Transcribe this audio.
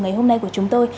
ngày hôm nay của chúng tôi